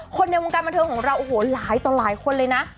ในวงการบันเทิงของเราโอ้โหหลายต่อหลายคนเลยนะ